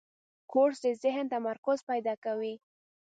کورس د ذهن تمرکز پیدا کوي.